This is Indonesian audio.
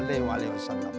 terima kasih pak ustadz ya